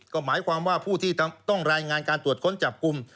ก็หมายความว่าผู้ที่ต้องรายงานการตรวจค้นจับกลุ่ม